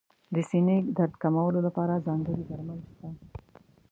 د سینې درد کمولو لپاره ځانګړي درمل شته.